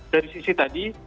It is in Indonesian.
dari sisi tadi